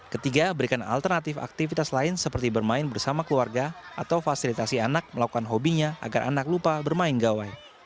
ketiga berikan alternatif aktivitas lain seperti bermain bersama keluarga atau fasilitasi anak melakukan hobinya agar anak lupa bermain gawai